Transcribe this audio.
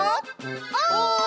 おい！